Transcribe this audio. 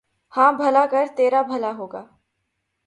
ہاں بھلا کر ترا بھلا ہوگا